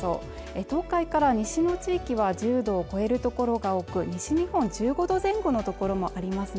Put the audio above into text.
東海から西の地域は１０度を超える所が多く西日本１５度前後の所もありますね